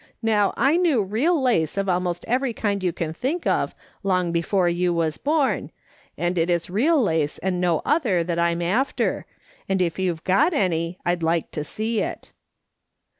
Now I knew real lace of almost every kind you can think of long before you was born, and it is real lace and no other that I'm after, and if you've got any I'd like to see it.'